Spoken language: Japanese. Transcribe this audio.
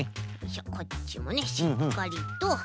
こっちもねしっかりと。